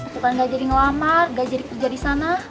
bukan gak jadi ngelamar gak jadi kerja di sana